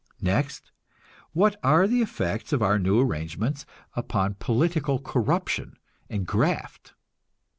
Next, what are the effects of our new arrangements upon political corruption and graft?